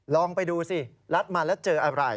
ลองไปดูสิลัดมาแล้วเจออะไร